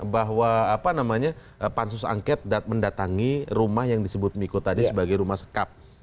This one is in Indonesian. bahwa apa namanya pansus angket mendatangi rumah yang disebut miko tadi sebagai rumah sekap